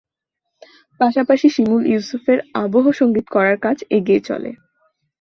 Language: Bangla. পাশাপাশি শিমুল ইউসুফের আবহ সঙ্গীত করার কাজ এগিয়ে চলে।